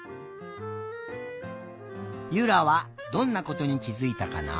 ゆらはどんなことにきづいたかな？